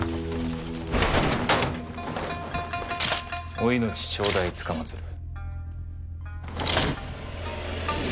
お命頂戴つかまつる。